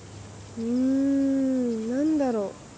うん何だろう